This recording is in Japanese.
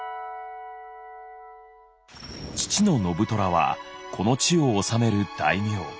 父の信虎はこの地を治める大名。